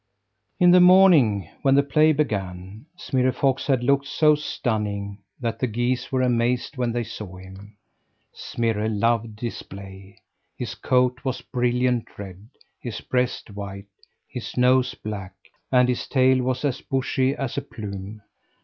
In the morning, when the play began, Smirre Fox had looked so stunning that the geese were amazed when they saw him. Smirre loved display. His coat was a brilliant red; his breast white; his nose black; and his tail was as bushy as a plume.